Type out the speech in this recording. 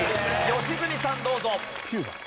良純さんどうぞ。